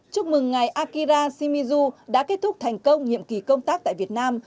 chúc mừng ngài akira shimizu đã kết thúc thành công nhiệm kỳ công tác tại việt nam